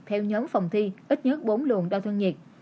theo nhóm phòng thi ít nhất bốn luồng đo thân nhiệt